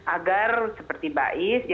agar seperti mbak is